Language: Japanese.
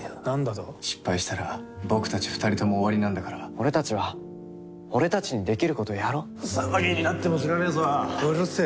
失敗したら僕たち二人とも終わりなんだから俺たちは俺たちにできることやろう騒ぎになっても知らねぇぞうるせぇ